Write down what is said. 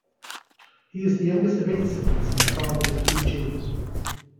He is the youngest of eight siblings and the father of three children.